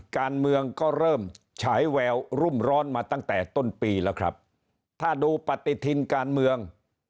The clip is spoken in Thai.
การเมืองก็เริ่มฉายแววรุ่มร้อนมาตั้งแต่ต้นปีแล้วครับถ้าดูปฏิทินการเมือง